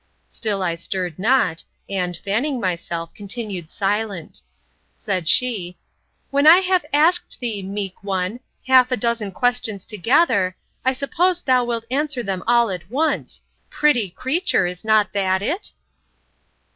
Still I stirred not, and, fanning myself, continued silent. Said she, When I have asked thee, meek one, half a dozen questions together, I suppose thou wilt answer them all at once! Pretty creature, is not that it?